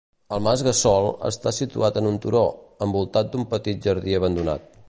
El Mas Gassol està situat en un turó, envoltat d'un petit jardí abandonat.